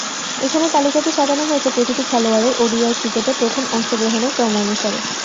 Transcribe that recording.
এখানে তালিকাটি সাজানো হয়েছে প্রতিটি খেলোয়াড়ের ওডিআই ক্রিকেটে প্রথম অংশ গ্রহণের ক্রম অনুসারে।